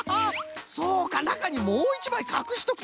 そうかなかにもういちまいかくしとくとはな。